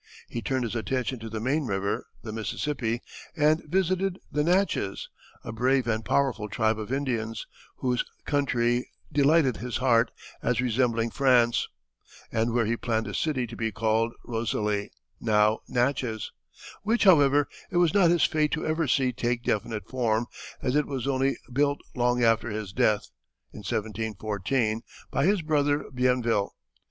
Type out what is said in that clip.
He turned his attention to the main river, the Mississippi, and visited the Natchez, a brave and powerful tribe of Indians, whose country delighted his heart as resembling France, and where he planned a city to be called Rosalie (now Natchez), which, however, it was not his fate to ever see take definite form, as it was only built long after his death, in 1714, by his brother Bienville.